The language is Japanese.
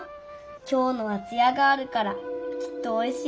きょうのはつやがあるからきっとおいしいよ。